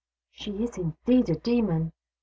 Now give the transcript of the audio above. " She is indeed a demon !